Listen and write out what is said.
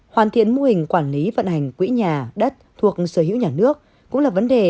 hoàn thiện mô hình quản lý vận hành quỹ nhà đất thuộc sở hữu nhà nước cũng là vấn đề